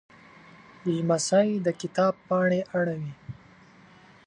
لمسی د کتاب پاڼې اړوي.